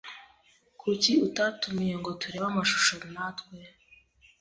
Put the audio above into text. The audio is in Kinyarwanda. Kuki utatumiye ngo turebe amashusho natwe?